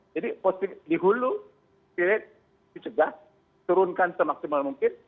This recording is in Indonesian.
jadi dihulu tirit dicegah turunkan semaksimal mungkin